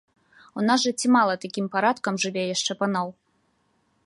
У нас жа ці мала такім парадкам жыве яшчэ паноў!